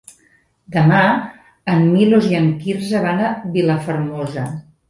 Demà en Milos i en Quirze van a Vilafermosa.